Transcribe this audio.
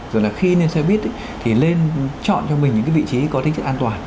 rồi là khi lên xe buýt thì lên chọn cho mình những cái vị trí có tính sự an toàn